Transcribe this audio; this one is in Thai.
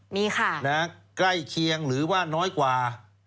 มีค่ะนะใกล้เคียงหรือว่าน้อยกว่า